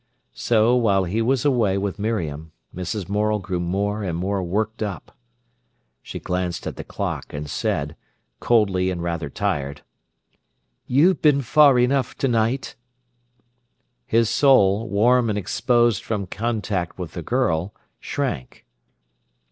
So, while he was away with Miriam, Mrs. Morel grew more and more worked up. She glanced at the clock and said, coldly and rather tired: "You have been far enough to night." His soul, warm and exposed from contact with the girl, shrank.